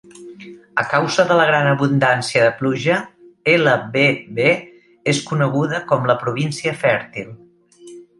A causa de la gran abundància de pluja, Ibb és coneguda com "la província fèrtil".